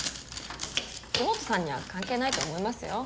黄本さんには関係ないと思いますよ？